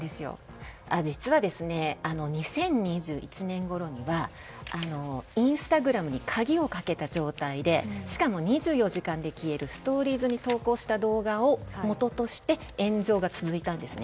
実は２０２１年ごろにはインスタグラムに鍵をかけた状態でしかも２４時間で消えるストーリーズに投稿した動画を元として炎上が続いたんですね。